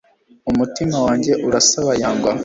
umutima wanjye urasabayangwa